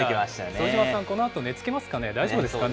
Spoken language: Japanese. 副島さん、このあと寝つけますかね、大丈夫ですかね。